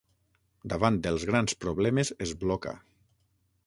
Davant dels grans problemes es bloca.